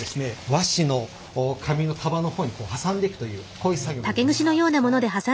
和紙の紙の束の方に挟んでいくというこういう作業になります。